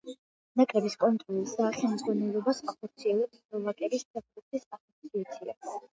ნაკრების კონტროლს და ხელმძღვანელობას ახორციელებს სლოვაკეთის ფეხბურთის ასოციაცია.